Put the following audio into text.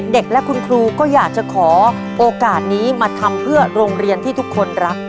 เด็กและคุณครูก็อยากจะขอโอกาสนี้มาทำเพื่อโรงเรียนที่ทุกคนรัก